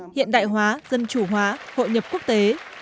hiện đại hóa dân chủ hóa hội nhập quốc tế